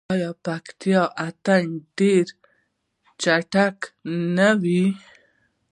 آیا د پکتیا اتن ډیر چټک نه وي؟